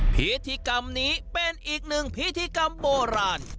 พิธีกรรมนี้เป็นอีกหนึ่งพิธีกรรมโบราณ